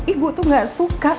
ibu tuh gak suka